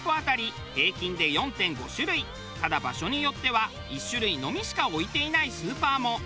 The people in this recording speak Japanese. ただ場所によっては１種類のみしか置いていないスーパーも。